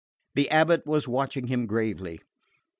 The abate was watching him gravely.